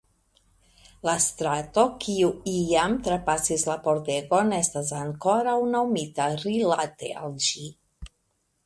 La strato kiu iam trapasis la pordegon estas ankoraŭ nomita rilate al ĝi.